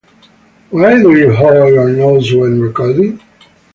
Why do you hold your nose when recording?